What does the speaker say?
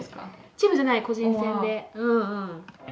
チームじゃない個人戦で。